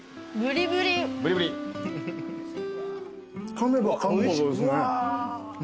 かめばかむほどですね。